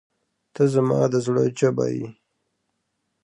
• ته زما د زړه ژبه یې.